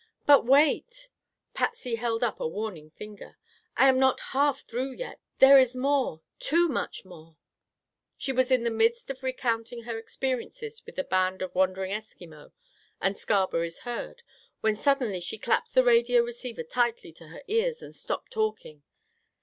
"But wait!" Patsy held up a warning finger, "I am not half through yet. There is more. Too much more!" She was in the midst of recounting her experiences with the band of wandering Eskimo and Scarberry's herd, when suddenly she clapped the radio receiver tightly to her ears and stopped talking.